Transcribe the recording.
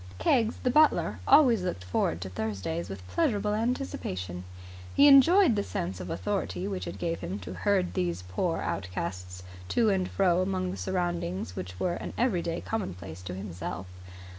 Keggs, the butler, always looked forward to Thursdays with pleasurable anticipation. He enjoyed the sense of authority which it gave him to herd these poor outcasts to and fro among the surroundings which were an everyday commonplace to himself.